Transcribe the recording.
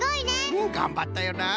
うんがんばったよな。